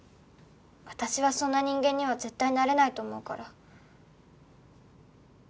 「私はそんな人間には絶対なれないと思うから」